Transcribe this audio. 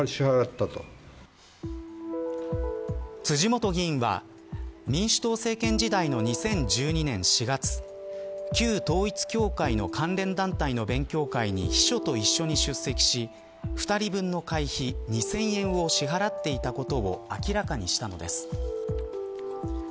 辻元議員は、民主党政権時代の２０１２年４月旧統一教会の関連団体の勉強会に秘書と一緒に出席し２人分の会費２０００円を支払っていたことを明らかにしたのです。